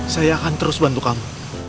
saya akan terus bantu kamu